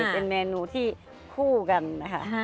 เป็นเมนูที่คู่กันนะคะ